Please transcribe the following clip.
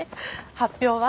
発表は？